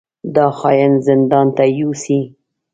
دا خاين زندان ته يوسئ!